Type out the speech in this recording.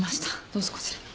どうぞこちらに。